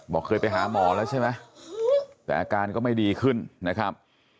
เคยไปหาหมอแล้วใช่ไหมแต่อาการก็ไม่ดีขึ้นนะครับ